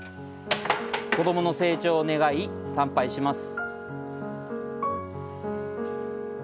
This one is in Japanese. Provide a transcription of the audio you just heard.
子供の成長を願い、参拝します。